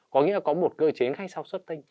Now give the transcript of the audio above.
có nghĩa là có một cơ chế khách sau xuất tinh